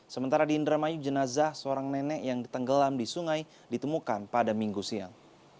sementara di indramayu jenazah seorang nenek yang ditenggelam di sungai ditemukan pada minggu siang